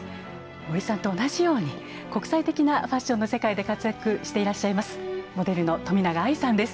森さんと同じように国際的なファッションの世界で活躍していらっしゃいますモデルの冨永愛さんです。